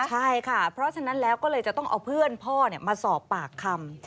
ใช่ค่ะเพราะฉะนั้นแล้วก็เลยจะต้องเอาเพื่อนพ่อมาสอบปากคำ